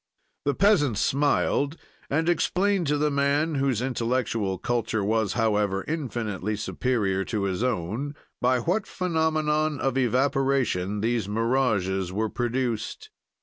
"The peasant smiled and explained to the man, whose intellectual culture was, however, infinitely superior to his own, by what phenomenon of evaporation these mirages were produced.